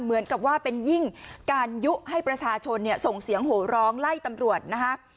เหมือนกับว่าเป็นยิ่งการยุให้ประชาชนเนี่ยส่งเสียงโหร้องไล่ตำรวจนะคะ